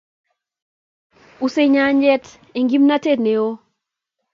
Usei nyanjet eng kimnatet neo